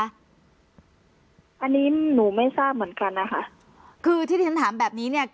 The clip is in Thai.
อันนี้หนูไม่ทราบเหมือนกันนะคะคือที่ที่ฉันถามแบบนี้เนี่ย